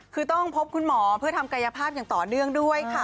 คือต้องพบคุณหมอเพื่อทำกายภาพอย่างต่อเนื่องด้วยค่ะ